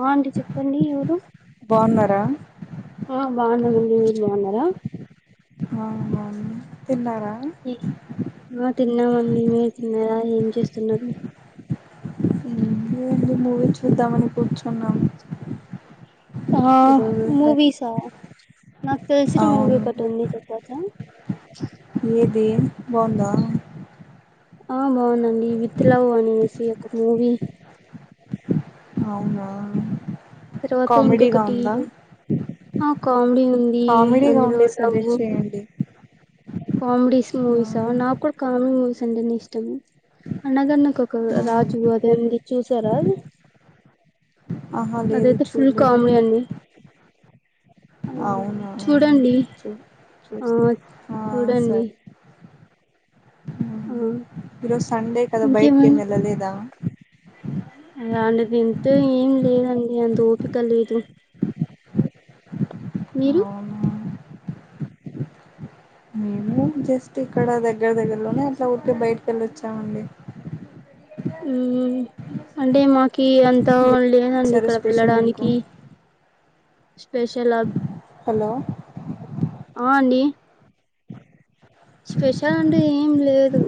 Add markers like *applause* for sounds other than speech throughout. ఓ aunty చెప్పండి ఎవరు బాగున్నారా ఆ బావున్నాం అండి మీరు బావున్నారా అవునవును *inaudible* ఆ తిన్నాం అండి మీరు తిన్నారా ఏం చేస్తున్నారు ఊహు మూవీ చూద్దామని కూర్చున్నాం ఆ ఈరోజు మూవీసా నాకు తెలిసిన మూవీ అవును ఒకటి ఉంది చెప్పొచ్చా దేన్ బావుందా ఆ బావుందండి విత్ లవ్ అనేసి ఒక మూవీ అవునా తర్వాత కామెడీగా ఇంకొకటి ఉందా ఆ కామెడీ ఉందీ కామెడీగా అందులో ఉండే లవ్ సజెస్ట్ చేయండి కామిడీస్ ఆ, మూవీసా నాకు కూడా కామిడీ మూ సంటేనే ఇష్టం అనగనగ ఒక ఆ, రాజు అదేంది చూసారా అది ఆహా లేదు అదయితే ఫుల్ చూడలేదు కామెడీ అండి ఆ అవునా చూడండి చూ ఆ చూస్తా చూడండి ఆ ఈ రోజు సండే కదా బయటికి ఏం వెళ్ళలేదా ఇగ అండి తింటే ఏం లేదండి అంత ఓపిక లేదు మీరు అవునా మేము జస్ట్ ఇక్కడ దగ్గర దగ్గరలోనే అట్లా ఉర్కె బయటకెళ్ళొచ్చామండి ఉమ్ అంటే మాకి అంతా ఉ లేనండి చేశారు ఇక్కడ స్పెషల్ మీకు పిళ్లడానికి స్పెషల్ ఆబ్ హలో ఆ అండి స్పెషల్ అంటే ఏం లేదు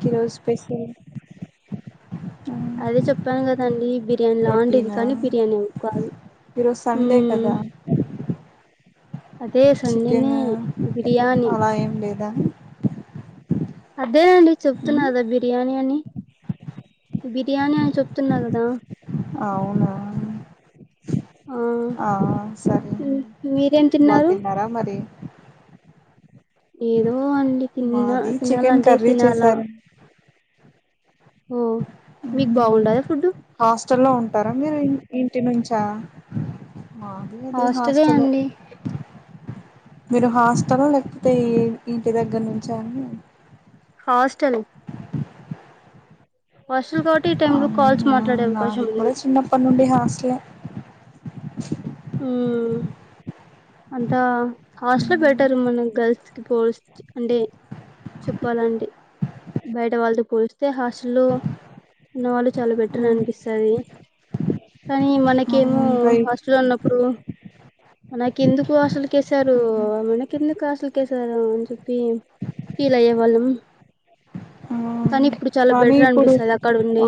కి రోజు స్పెషల్ అదే చెప్పాను కదండి బిర్యానీ లా ఉండేది రొటీనా కానీ బిర్యానీ కాదు ఈరోజు సండే ఊమ్ కదా అదే సండే నే చికెన్ బిర్యాణి దా అదే అండి చెప్తున్నాగదా బిర్యానీ అని బిర్యానీ అని చెప్తున్నా కదా అవునా ఆ ఆ సరే మీరేం బా తిన్నారు తిన్నారా మరి ఏదో అండి తిన్న మాది చికెన్ తినాలంటే కర్రీ తినాలా చేశారు *inaudible* ఆ మీక్ బాగుండదా ఫుడ్ చల్లో ఉంటారా మీరు ఇం ఇంటి నుంచా మాది ఏదో హాస్టలే మీరు హాస్టల్లో లేకపోతే ఈ ఇంటి దగ్గర నుంచ అండి హాస్టల్ హాస్టల్ కాబట్టి ఈ టైమ్ లో కాల్స్ అవును మాట్లాడే ఉ అవకాశం నాది ఉంది కూడా చిన్నప్పటి నుండి హాస్టల్ ఏ *inaudible* ఊమ్ అంతా హాస్టల్ బెటర్ మన గర్ల్స్ కి పోచ్ అంటే చెప్పాలంటే బయట వాళ్ళతో పోలిస్తే హాస్టల్లో ఉన్నవాళ్ళు చాలా బెటర్ అనిపిస్తది కానీ ఆ, మనకేమో ఇంకా ఇ హాస్టల్లో ఉన్నప్పుడు మన ఎందుకు హాసల్ కెసారు మనక ఎందుకు ఆసల్ ఓకే సార్ అని చెప్పి ఫీల్ అయ్యే వాళ్ళం ఆ కానీ ఇప్పుడు చాలా కానీ బెటర్ ఇప్పుడు అనిపిస్తది అక్కడ ఉండి ఆ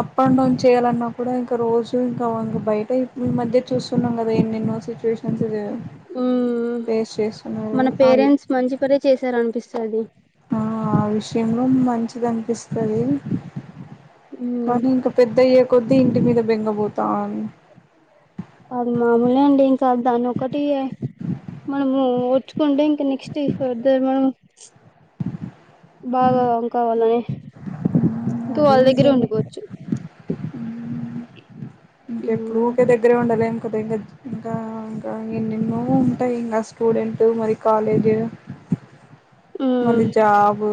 అప్ అండ్ డౌన్ చేయాలన్నా కూడా ఇంకా రోజు *unintelligible* బయటే ఈ మధ్య చూస్తున్నాం కదా ఎన్నెన్నో సిచ్యువేషన్స్ ఇ ఉ మన అవి పేరెంట్స్ మంచి పనే చేశారు అనిపిస్తుంది చది ఆ ఆ విషయంలో మంచిది అనిపిస్తాది ఉమ్ కాని ఇంకా పెద్దయ్యే కొద్ది ఇంటి మీద బెంగబోతాంది అది మామూలే అండి ఇంకా దాన్ని ఒకటి మనము వొరుచుకుంటే ఇంకా నెక్స్ట్ ఫర్దర్ మనం బాగా కావాలని ఇంకా అది వాళ్ళ దగ్గరే నిజమే ఉండిపోవచ్చు ఉం. ఇంకెప్పుడు ఉమ్ ఒకేదగ్గరే ఉండాలేము ఒక ఇంకా ఇంకా ఇంకా ఎన్నెన్నో ఉంటాయి ఇంకా స్టూడెంట్ మరి కాలేజ్ మళ్ళీ ఉమ్ జాబ్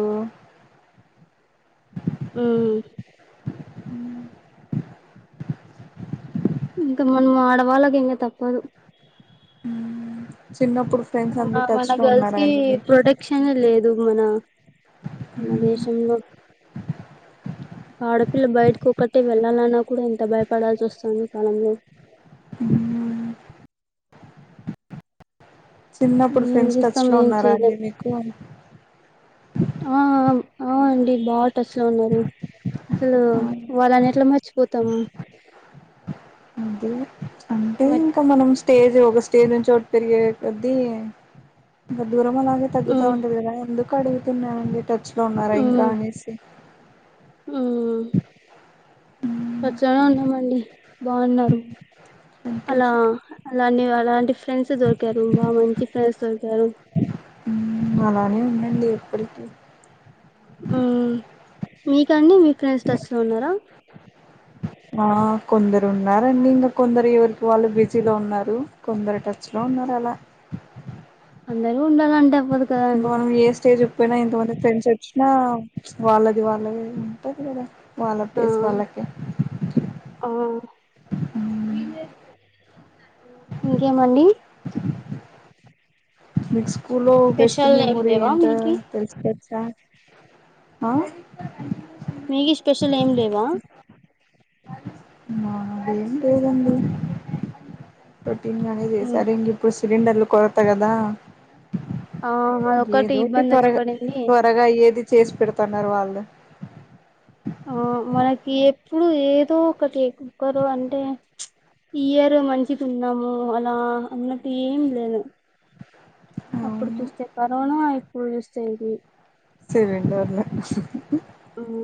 మ్మ్ ఉ ఇంకా మనం ఆడవాళ్ళకి ఇంకా తప్పదు ఉచ్ మనం మన గర్ల్స్ కి మీకు ప్రొటెక్షన్ లేదు మన మన దేశంలో ఆడపిల్ల బయటకి ఒక్కటే వెళ్ళాలన్నా కూడా ఎంత భయపడాల్సి వస్తుందొ ఈ కాలంలో మ్మ్ చిన్నప్పుడు ఏం ఫ్రెండ్స్ టచ్ చేస్తాం లో ఏం ఉన్నారా చేయలేం అండి మీకు ఆ అవును ఆ అండి బాగ టచ్ లో ఉన్నారు అసలు వాళ్ళన్ని ఎట్లా మర్చిపోతాము వద్దు అంటే మ ఇంకా మనం స్టేజ్ ఒక స్టేజ్ నుంచి ఒకటి పెరిగే కొద్దీ ఇంకా దూరం మనే *unintelligible* తగ్గుతా మ్మ్ ఉంది కదా అందుకు కడగు తున్నారు *unintelligible* మచ్చుగా ఉన్నారా ఇంకా మ్మ్ అనేసి చాల ఉన్నామండి బాగున్నారు అలా సంతోషం అలానే వార్ అలాంటి ఫ్రెండ్స్ దొరికారు బాగా మంచి ఫ్రెండ్స్ దొరికారు. అలానే ఉందండి ఎప్పటికి మీకండి మీ ఫ్రెండ్స్ టచ్ లొ ఉన్నారా ఆ కొందరు ఉన్నారండి ఇంకా కొందరు ఎవరికి వాళ్ళు బిజీలో ఉన్నారు. కొందరు టచ్ లో ఉన్నారు అలా అందరు ఉండాలంటే అవ్వదు కదా అండి మనం ఏ స్టేజ్ పోయినా ఎంతమంది ఫ్రెండ్స్ వచ్చినా వాళ్ళది వాళ్ళదే ఉంటాది కదా వాళ్ళ ఆ ఫేస్ వాళ్ళకే ఆ ఇంకేం అండి మిక్స్ స్కూల్ లో బెస్ట్ స్పెషల్ ఏం మెమోరీ లేవా ఎంటొ మీకి తెలుసు పొ సా ఆ మీగీ స్పెషల్ ఏం లేవా హా అదేం లేదండి తినడానికి ఉమ్, చేశారు ఇంకెప్పు సిలిండర్లు కొరత కదా ఆ అదొక్కటి ఏదోటి ఇబ్బంది వచ్చి త్వరగా పడింది త్వరగా ఏది చేసి పెడుతున్నారు వాళ్ళు ఓ మనకి ఎప్పుడు ఏదో ఒకటి ఒక్కరు అంటే ఇయర్ మంచి ఉన్నాము అలా అన్నట్టు ఏం లేదు అప్పుడు అవును చూస్తే కరోనా ఇ ఇప్పుడు చూస్తే ఇది సిలిండర్లు ఉహూ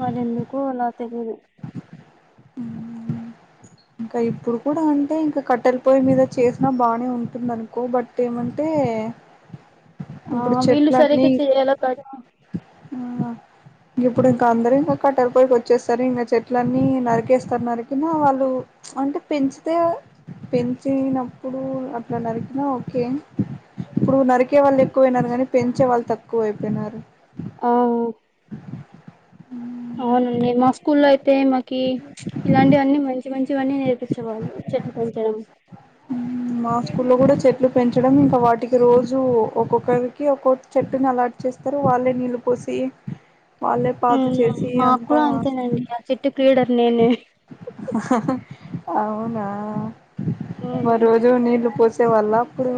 మరి ఎందుకో అలా తెలియదు ఉ ఇంకా ఇప్పుడు కూడా అంటే ఇంకా కట్టెల పొయ మీద చేసినా బానే ఉంటుంది అనుకో బట్ ఏమంటే ఆ ఇప్పుడు వీళ్ళు చెట్లన్నీ సరిగా చేయాల కదా ఆ ఇంక ఇప్పుడు ఇంకా అందరుూ ఇంకా కట్టెల పోయికి వచ్చేస్తారు ఇంకా చెట్లన్నీ నరికేస్తారు నరికినా వాళ్ళు అంటే పెంచితే పెంచినప్పుడు అట్లా నరికినా ఓకే ఇప్పుడు నరికే వాళ్ళు ఎక్కువయినారు కానీ పెంచే వాళ్ళు తక్కువ అయిపోయినారు ఆ అవునండి మా స్కూల్ లో అయితే మాకి ఇలాంటివన్నీ మ మంచి మంచివన్నీ నేర్పించే వాళ్ళు చెట్లు పెంచడం లో కూడా చెట్లు పెంచడం ఇంకా వాటికి రోజు ఒక్కొక్కరికి ఒక్కొక్క చెట్టుని అలా ఇచ్చి చేస్తారు వాళ్ళే నీళ్ళు పోసి వాళ్ళే హు పాతు చేసి మాకు అంతా కూడా అంతేనండి ఆ చెట్టు క్రీడర్ నేనే అవునా మరి మ్మ్ రోజు నీళ్లు పోసి పొసే వాళ్ళ అప్పుడు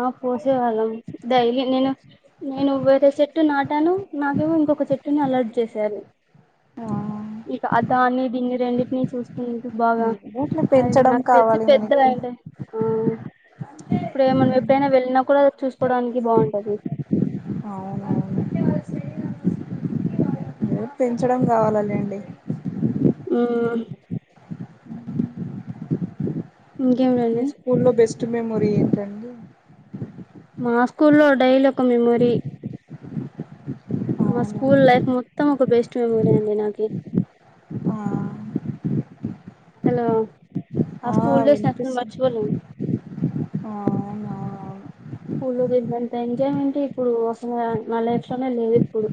ఆ పోసేవాళ్ళం డైలీ నేను నేను వేరే చెట్టు నాటాను నాకేమో ఇంకొక చెట్టుని అలర్ట్ చేసారు ఆ ఇక అ దాన్ని దీని రెండింటినీ చూసుకుంటూ బాగా ఏదో అట్లా అది పెంచడం నాకు తెలిసి కావాలి మనకి పెద్దదాగాయే ఉంటా అయితే మనం ఎప్పుడైనా వెళ్ళిన కూడ చసుకోడానికి బాగుంటది అవునవును పెంచడం కావాలలేండి ఊ మీ ఇంకేమిటండి స్కూల్లో బెస్ట్ మెమొరీ ఏంటండి మా స్కూల్లో డైలీ ఒక మెమొరీ మా అవునా స్కూల్ లైఫ్ మొత్తం ఒక బెస్ట్ మెమోరీ అండి నాకి ఆ హలో ఆ వినిపిస్త అవునువునువును స్కూ లో చేసినంత ఎంజాయ్మెంట్ ఇప్పుడు అస మా లైఫ్ లోనే లేదు ఇప్పుడు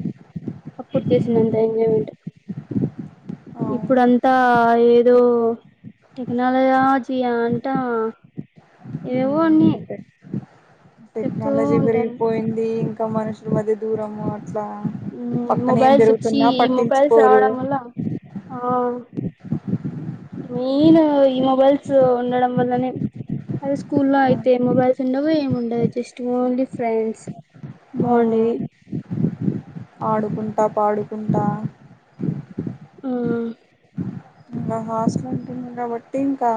అప్పుడు చేసినంత ఎంజాయ్మెంట్ అవును ఇప్పుడంతా ఏదో టెక్నాలజీ అంట ఏవో అన్ని ఉమ్ చెప్తూ టెక్నాలజీ ఉంటారు పెరిగిపోయింది మనుష మధ దూర అ అట్లా పక్కన ఏం మొబైల్స్ వచ్చి జరుగుతున్నా ఈ మొబైల్స్ పట్టించుకోరు రావడం వల్ల ఆ మెయిన్ ఈ మొబైల్స్ ఉండడం వల్లనే అదే స్కూ లో అయితే మొబైల్స్ ఉండవు ఏమి ఉండదు జస్ట్ ఓన్లీ ఫ్రెండ్స్ ఆ బాగుండేది ఆడుకుంటా పాడుకుంటా ఉమ్ ఇంకా హాస్టల్ ఉంటుంది కాబట్టి ఇంకా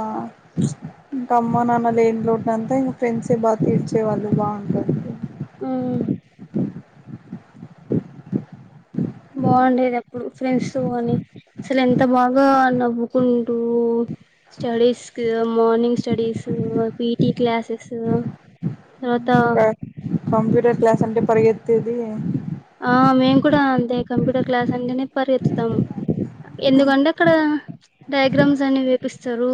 ఇంకా అమ్మ నాన్న లేంలోంతా ఇంకా ఫ్రెండ్సే బాగా తీర్చేవాళ్ళు బాగుంటురు ఉమ్ బాగుండేది అప్పుడు ఫ్రెండ్స్ త అని అసలు ఎంత బాగా నవ్వుకుంటూ స్టడీస్ క మార్నింగ్ స్టడీస్ పిటి క్లాసెస్ తర్వాత కంప్యూటర్ క్లాస్ అంటే పరి తది ఆ మేము కూడా అంతే కంప్యూటర్ క్లాస్ అంటేనే పరిగెత్తుతాము ఎందుకుండి అక్కడ డయాగ్రామ్స్ అన్ని వేపిస్తారు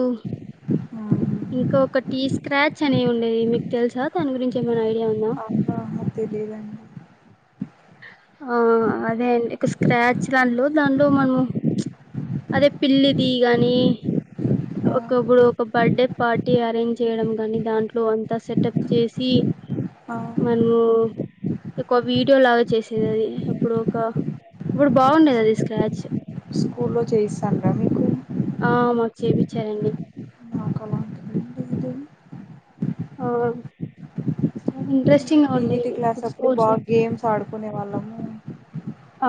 ఇంకా ఒకటి స్క్రాచ్ అనే ఉండేది మీకు తెలుసా దాని గురించి ఏమైనా ఐడియా ఉందాం ఆహా తెలియదండి ఆ అదే అండి ఒక స్క్రాచ్ దాంట్లో దాంట్లో మనము అదే పిల్లిది గాని ఆ ఒకప్పుడు ఒక బర్త్డే పార్టీ అరేంజ్ చేయడం కాని దాంట్లో అంతా సెటప్ చేసి ఆ మనము ఒక వీడియో లాగా చేసేది అది అప్పుడు ఒక ఇప్పుడు బాగుండేది అది స్క్రాచ్ స్కూ లో చేయిస్తారు మి ఆ మచ్చవి చా రండి మాకు అలాంటిదేం లేదు ఆ చ ఇంట్రెస్ట్ ఇ పిఈటి క్లాస్ అప్పుడే బాగా గేమ్స్ ఆడుకునే వాళ్ళము ఆ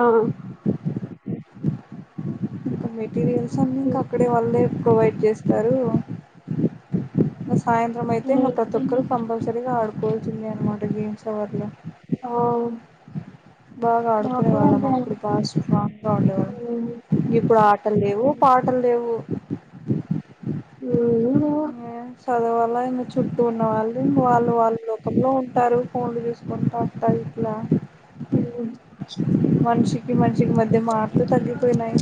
మటీరియల్స్ సన్నింగ్ కక్కడే వాళ్ళే ప్రొవైడ్ చేస్తారు ఆ సాయంత్రం అయితే ఇంకా ప్రతి ఒక్కరు కంపల్సరీగా ఆడుకో చిన్న అనమాట గేమ్స్ వర్లో ఓ బాగా ఆడుకునే వాళ్ళం అప్పుడు బాగా స్ట్రాంగ్ గా ఉండేవాళ్ళం ఇప్పుడు ఆటలు లేవు పాటలు లేవు ఉమ్ మరి చుట్టూ ఉన్న వాళ్ళు వాళ్ళు వాళ్ళు లోకంలో ఉంటారు ఫోన్లు తీసుకుంటారు ఇట్లా ఉమ్ థింగ్ మధ్య మార్ తగ్గిపోయినాయి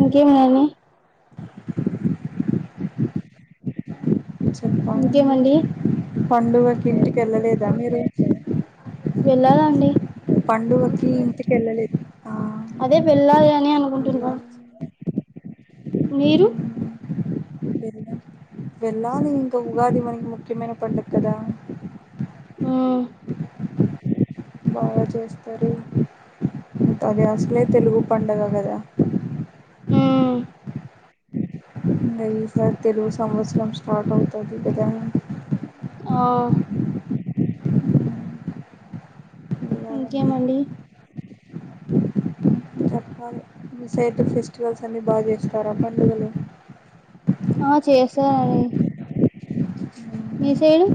ఇంకేం గని చెప్పాలండి ఇంకేమండి పండుగకి ఇంటికి వెళ్ళలేదా మీరే వెల్లాల అండి పండుగకి ఇంటికిెళ్ళలే అదే వెళ్ళాలి అని అనుకుంటున్నా వెళ్ళాలి మీరు ఉమ్, వెళ్ళాం వెళ్ళాలి ఇంకా ఉగాది మనకి ముఖ్యమైన పండుగ కదా ఉమ్ బాగా చేస్తారు అది అసలే తెలుగు పండుగ కదా మ్మ్ ఇంగ ఈ సారీ తెలుగు సంవత్సరం స్టార్ట్ అవుతది కదా ఔ వెళ్ళాలండి ఇంకేమండి మిసైడ్ ఫెస్టివల్స్ అన్ని బాగా చేస్తారా పండుగలు ఆ చేస్తారడి మీ సైడు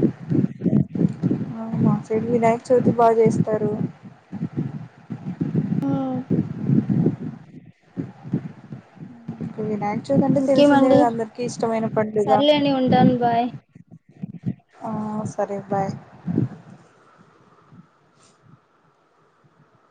మాసైడ్ వినాయక చవితి బాగా చేస్తారు ఉం ఇప్పుడు వినాయక చవితి అంటే తెలిసిందే ఇంకేమండి అందరికిీ ఇష్టమైన పండుగ సర్లేండి ఉంటాను బాయ్ ఆ సరే బాయ్